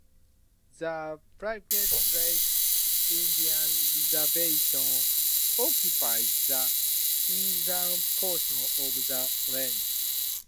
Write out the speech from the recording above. The Pyramid Lake Indian Reservation occupies the eastern portion of the range.